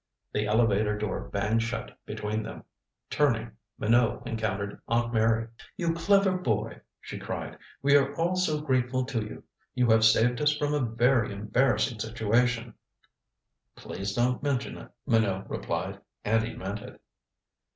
The elevator door banged shut between them. Turning, Minot encountered Aunt Mary. "You clever boy," she cried. "We are all so very grateful to you. You have saved us from a very embarrassing situation." "Please don't mention it," Minot replied, and he meant it.